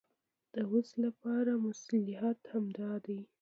د اوس لپاره مصلحت همدا دی.